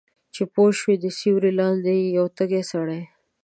چې پوهه شوه د سیوری لاندې یې یو تږی سړی